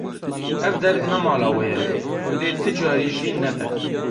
Ev der ne mala we ye û dê ti carî jî nebe.